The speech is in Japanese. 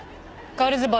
ガールズバー？